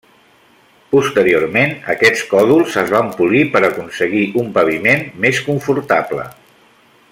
Posteriorment aquests còdols es van polir per aconseguir un paviment més confortable.